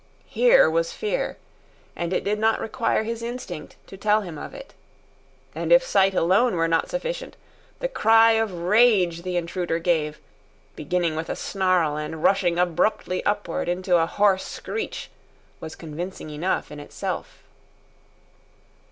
Here was fear, and it did not require his instinct to tell him of it. And if sight alone were not sufficient, the cry of rage the intruder gave, beginning with a snarl and rushing abruptly upward into a hoarse screech, was convincing enough in itself.